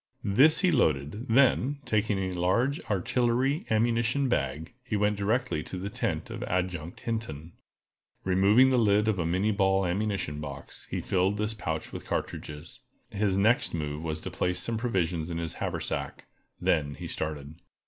This he loaded; then, taking a large artillery ammunition bag, he went directly to the tent of Adjutant Hinton. Removing the lid of a minnié ball ammunition box, he filled this pouch with cartridges. His next move was to place some provision in his haversack; then he started.